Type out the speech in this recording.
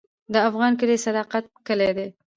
د افغان کلی د صداقت کلی دی.